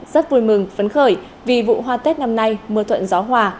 rất vui mừng phấn khởi vì vụ hoa tết năm nay mưa thuận gió hòa